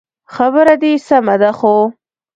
خبره دي سمه ده خو